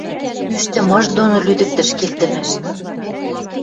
Ӱштӹмыж доно лӱдӹктӹш, келтӹмӓш.